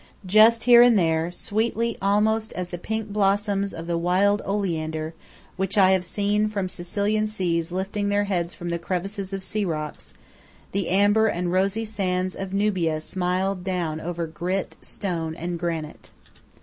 Just here and there, sweetly almost as the pink blossoms of the wild oleander, which I have seen from Sicilian seas lifting their heads from the crevices of sea rocks, the amber and rosy sands of Nubia smiled down over grit, stone, and granite.